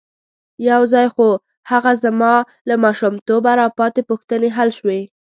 یو ځای خو هغه زما له ماشومتوبه را پاتې پوښتنې حل شوې.